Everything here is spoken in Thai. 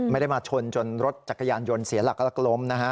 ไม่ได้มาชนจนรถจักรยานยนต์เสียหลักล้มนะฮะ